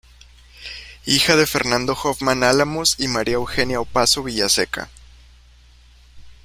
Hija de Fernando Hoffmann Álamos y María Eugenia Opazo Villaseca.